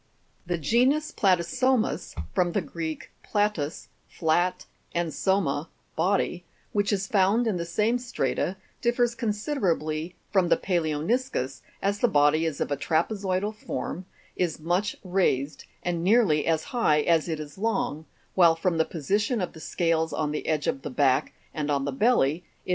The genus Platyso'mus (.fig 57), (from the Greek, platus, flat, and soma, body,) which is found in the same strata, differs considerably from the palaeoni'scus, as the body is of a trapezoidal form, is much raised, and nearly as high as it is long, while from the position of the scales on the edge of the back and on the belly, it ap Fig.